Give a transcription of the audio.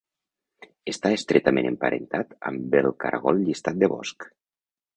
Està estretament emparentat amb el Caragol llistat de bosc.